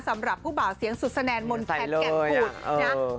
สำหรับผู้บ่าวเสียงสุดแสนมนตร์แขนแก่ปุ่น